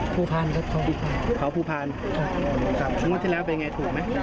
ทางวันที่แล้วเป็นอย่างไรถูกไหม